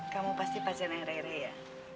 kamu pasti pasien yang rere ya